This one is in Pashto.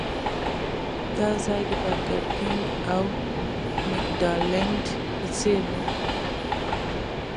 دا ځای د برګر کېنګ او مکډانلډ په څېر و.